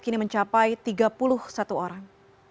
kini mencapai tiga puluh satu orang